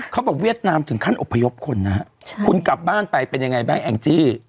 เวียดนามถึงขั้นอบพยพคนนะฮะคุณกลับบ้านไปเป็นยังไงบ้างแองจี้